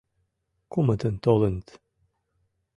Кумытын толыныт.